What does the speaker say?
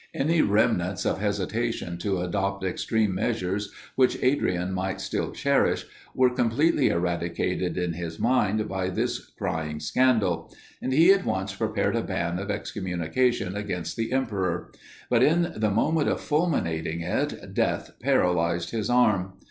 Any remnants of hesitation to adopt extreme measures which Adrian might still cherish, were completely eradicated in his mind by this crying scandal; and he at once prepared a ban of excommunication against the emperor; but in the moment of fulminating it, death paralysed his arm.